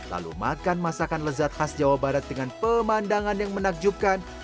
lalu makan masakan lezat khas jawa barat dengan pemandangan yang menakjubkan